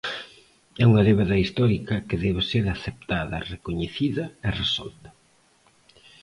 É unha débeda histórica que debe ser aceptada, recoñecida e resolta.